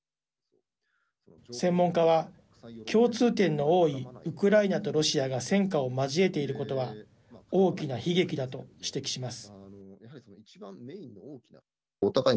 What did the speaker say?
専門家は共通点の多いウクライナとロシアが戦火を交えていることは大きな悲劇だと指摘します。